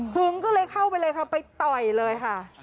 ึงก็เลยเข้าไปเลยค่ะไปต่อยเลยค่ะ